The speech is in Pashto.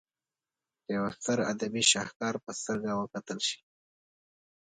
د یوه ستر ادبي شهکار په سترګه وکتل شي.